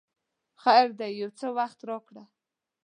خیر دی یو څه وخت راکړه!